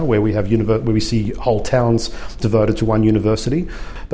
di mana kita melihat seluruh kota tersebut dikaitkan dengan satu universitas